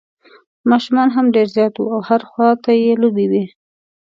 ماشومان هم ډېر زیات وو او هر خوا ته یې لوبې وې.